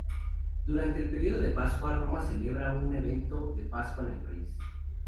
Durante el período de Pascua, Roma celebra un evento de Pascua en el país.